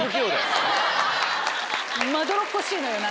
まどろっこしいのよ何か。